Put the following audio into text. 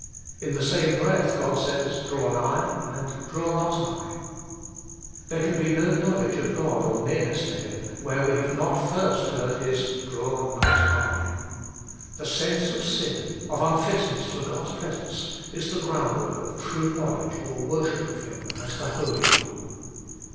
In the same breath God says, Draw nigh, and, Draw not nigh. There can be no knowledge of God or nearness to Him, where we have not first heard His, Draw not nigh. The sense of sin, of unfitness for God's presence, is the groundwork of true knowledge or worship of Him as the Holy One.